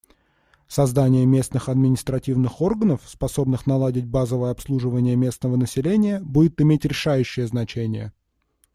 Создание местных административных органов, способных наладить базовое обслуживание местного населения, будет иметь решающее значение.